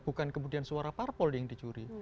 bukan kemudian suara parpol yang dicuri